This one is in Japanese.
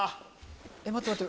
待って待って。